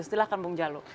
silahkan bung jalu